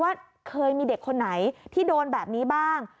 ว่าเคยมีเด็กคนไหนที่โดนแบบนี้บ้าง